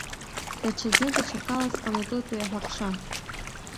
Даҽазны даҽакала сҟанаҵоит уи аҳәахша.